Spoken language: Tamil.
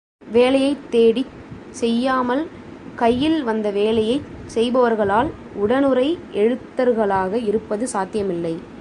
வேலையைத் தேடிச் செய்யாமல் கையில் வந்த வேலையைச் செய்பவர்களால் உடனுறை எழுத்தர்களாக இருப்பது சாத்தியமில்லை.